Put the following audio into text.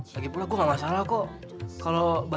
lagipula gue ga masalah kok kalo badan lo bau